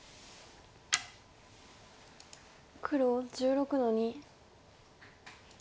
黒１６の二。